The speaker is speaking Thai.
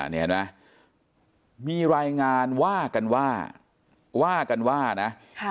นี่เห็นไหมมีรายงานว่ากันว่าว่ากันว่านะ